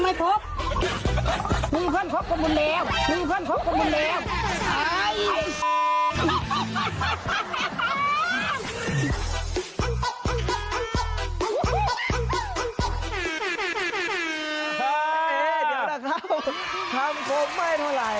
คำคมไม่เท่าไหร่